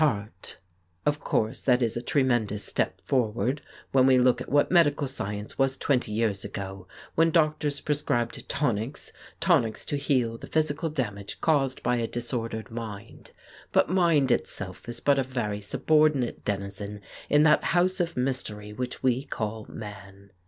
Of 149 The Case of Frank Hampden course that is a tremendous step forward when we look at what medical science was twenty years ago, when doctors prescribed tonics, tonics to heal the physical damage caused by a disordered mind. But mind itself is but a very subordinate denizen in that house of mystery which we call man.